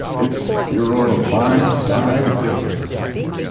Its Bureau of Mines died early.